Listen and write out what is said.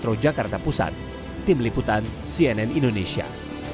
metro jakarta pusat tim liputan cnn indonesia